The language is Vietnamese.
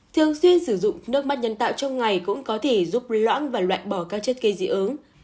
thường xuyên sử dụng nước mắt nhân tạo trong ngày cũng có thể giúp loãng và loại bỏ các chất gây dị ứng